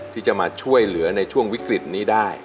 ที่จะมาช่วยเหลือในช่วงวิกฤตนี้ได้